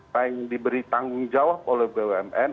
yang diberi tanggung jawab oleh bumn